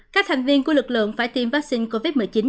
các thành viên của lực lượng phải tiêm vaccine covid một mươi chín